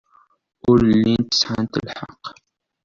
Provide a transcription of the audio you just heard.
Ur llint sɛant lḥeqq.